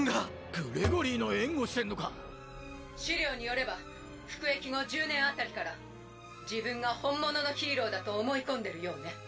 グレゴリーの援護してんのか⁉資料によれば服役後１０年辺りから自分が本物のヒーローだと思い込んでるようね。